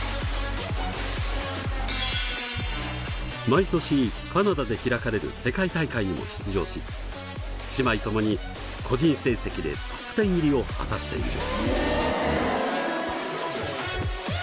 毎年カナダで開かれる世界大会にも出場し姉妹ともに個人成績でトップ１０入りを果たしている。